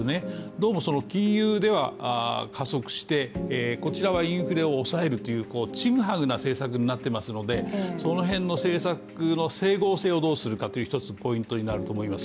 どうも金融では加速してこちらはインフレを抑えるというちぐはぐな政策になっていますので、その辺の政策の整合性をどうするかというのが一つ、ポイントになると思います。